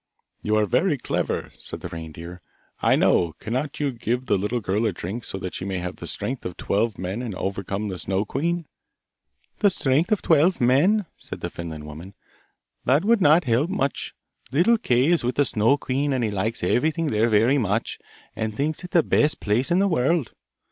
'You are very clever,' said the reindeer. 'I know. Cannot you give the little girl a drink so that she may have the strength of twelve men and overcome the Snow queen?' 'The strength of twelve men!' said the Finland woman; 'that would not help much. Little Kay is with the Snow queen and he likes everything there very much and thinks it the best place in the world.